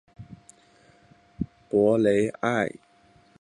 博雷埃。